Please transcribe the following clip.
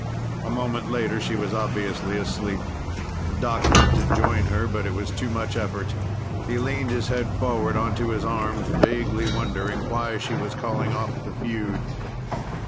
A moment later she was obviously asleep. Doc meant to join her, but it was too much effort. He leaned his head forward onto his arms, vaguely wondering why she was calling off the feud.